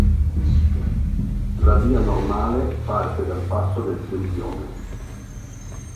La via normale parte dal passo del Sempione.